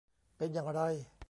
เป็นอย่างไร